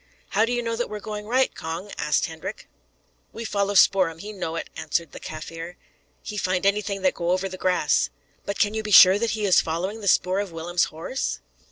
"How do you know that we are going right, Cong?" asked Hendrik. "We follow Spoor'em; he know it," answered the Kaffir. "He find anything that go over the grass." "But can you be sure that he is following the spoor of Willem's horse?"